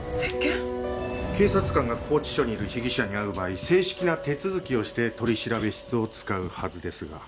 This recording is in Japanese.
警察官が拘置所にいる被疑者に会う場合正式な手続きをして取調室を使うはずですが。